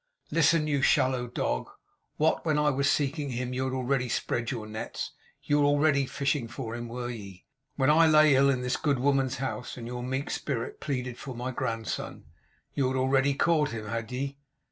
'Listen, you shallow dog. What! When I was seeking him, you had already spread your nets; you were already fishing for him, were ye? When I lay ill in this good woman's house and your meek spirit pleaded for my grandson, you had already caught him, had ye?